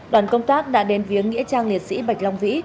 đoàn công tác đã đến viếng nghĩa trang liệt sĩ bạch long vĩ